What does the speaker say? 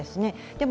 でも